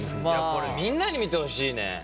いやこれみんなに見てほしいね！